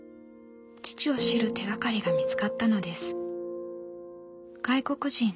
父を知る手がかりが見つかったのです。